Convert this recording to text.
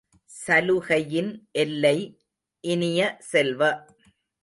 சலுகையின் எல்லை இனிய செல்வ!